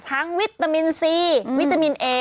วิตามินซีวิตามินเอ